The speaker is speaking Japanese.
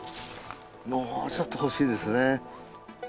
もうちょっとほしいですね。